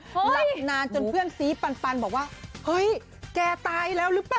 หลับนานจนเพื่อนซี้ปันบอกว่าเฮ้ยแกตายแล้วหรือเปล่า